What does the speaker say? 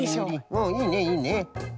うんいいねいいね。